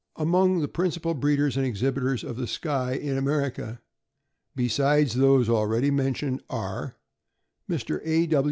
Among the principal breeders and exhibitors of the Skye in America, besides those already mentioned, are: Mr, A.